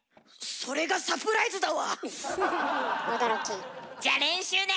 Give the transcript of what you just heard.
それがサプライズだわ！